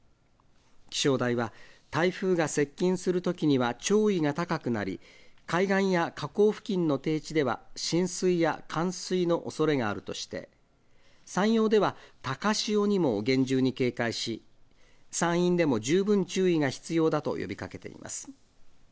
気象台は、台風が接近するときには潮位が高くなり、海岸や河口付近の低地では浸水や冠水の恐れがあるとして、山陽では、高潮にも厳重に警戒し、山陰でも十分注意が必要だと呼びかけています。